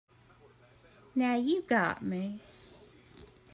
Now you got me.